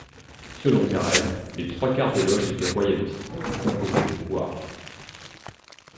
Selon Carrel, les trois quarts des Loges étaient royalistes, ou composées de couards.